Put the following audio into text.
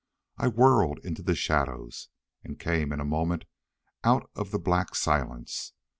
I whirled into the shadows. And came in a moment out of the black silence.